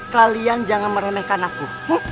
kalian jangan meremehkan aku